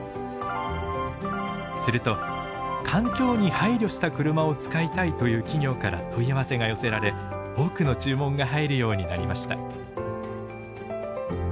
すると環境に配慮した車を使いたいという企業から問い合わせが寄せられ多くの注文が入るようになりました。